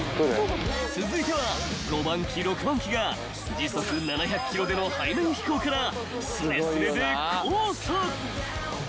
［続いては５番機６番機が時速７００キロでの背面飛行からすれすれで交差］